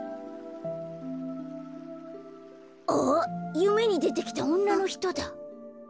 ゆめにでてきたおんなのひとだ。